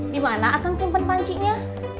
dimana akan simpen pancinya